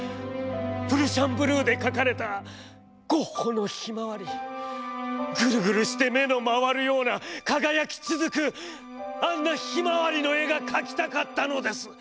プルシャンブルーで描かれたゴッホのひまわりグルグルして目の廻るような輝きつづくあんなひまわりの絵が描きたかったのです。